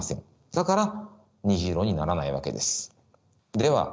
だから虹色にならないわけです。